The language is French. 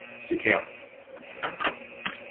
C’est clair